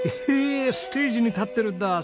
へえステージに立ってるんだ！